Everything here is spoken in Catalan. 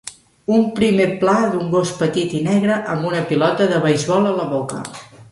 Un prime pla d'un gos petit i negre amb una pilota de beisbol a la boca.